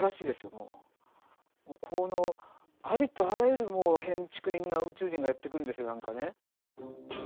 もうもうこのありとあらゆるもうへんちくりんな宇宙人がやって来んですよ何かね。